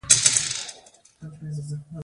زعفران د افغانستان نوی تولید دی.